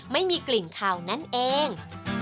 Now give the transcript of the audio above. ไม่มีกลิ่นขาวนั่นเอง